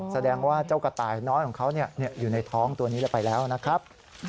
แสดงว่าเจ้ากระต่ายน้อยของเขาอยู่ในท้องตัวนี้แล้วไปแล้วนะครับ